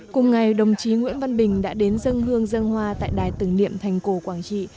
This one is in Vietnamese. cùng ngày đồng chí nguyễn văn bình đã đến dân hương dân hoa tại đài tưởng niệm thành cổ quảng trị